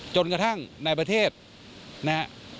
จนกระทั่งในประเทศนะฮะ